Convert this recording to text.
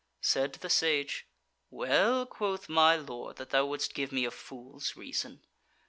Said the Sage: "Well quoth my lord that thou wouldst give me a fool's reason!